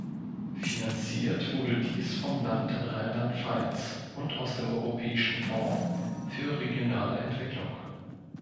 Finanziert wurde dies vom Land Rheinland-Pfalz und aus dem Europäischen Fonds für regionale Entwicklung.